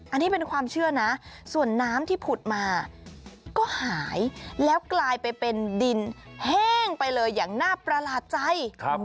อันนี้เป็นความเชื่อนะส่วนน้ำที่ผุดมาก็หายแล้วกลายไปเป็นดินแห้งไปเลยอย่างน่าประหลาดใจ